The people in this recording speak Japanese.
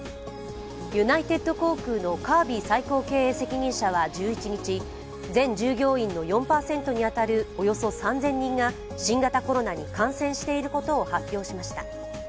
ユナイテッド航空のカービー最高経営責任者は１１日、全従業員の４％に当たるおよそ３０００人が新型コロナに感染していることを発表しました。